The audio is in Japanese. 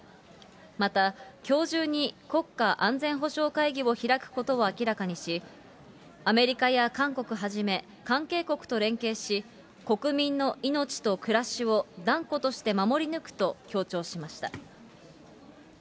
また、きょう中に国家安全保障会議を開くことを明らかにし、アメリカや韓国はじめ、関係国と連携し、国民の命と暮らしを断固として守り抜くと強調しました。